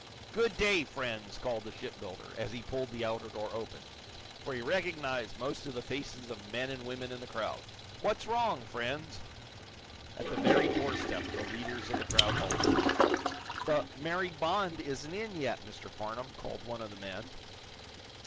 "Good day, friends!" called the shipbuilder, as he pulled the outer door open, for he recognized most of the faces of men and women in the crowd. "What's wrong, friends!" At the very doorstep the leaders of the crowd halted. "The 'Mary Bond' isn't in yet, Mr. Farnum," called one of the men.